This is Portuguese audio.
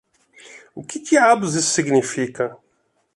O que diabos isso significa?